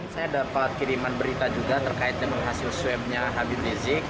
saya dapat kiriman berita juga terkait dengan hasil swabnya habib rizik